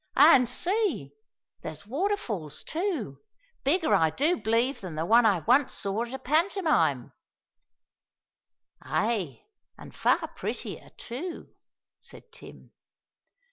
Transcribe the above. An' see, there's waterfalls too, bigger I do b'lieve than the one I once saw at a pantomime." "Ay, an' far prettier too," said Tim.